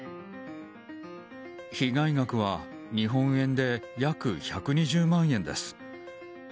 被害額は日本円で約１２０万円です。